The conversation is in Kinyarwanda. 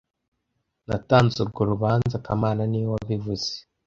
Natanze urwo rubanza kamana niwe wabivuze